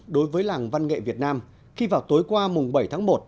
đối với làng văn nghệ việt nam khi vào tối qua mùng bảy tháng một